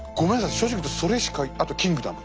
正直言うとそれしかあと「キングダム」。